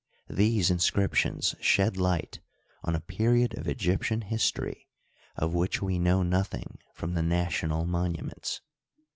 These inscriptions shed light on a period of Egyptian history of which we know nothing from the national monuments.